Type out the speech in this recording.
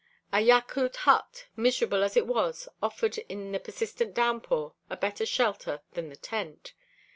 A Yakhut hut, miserable as it was, offered in the persistent downpour a better shelter than the tent.